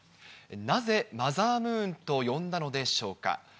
なぜ、マザームーンと呼んだのでしょうか。